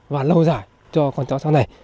và lâu dài cho con trò xa này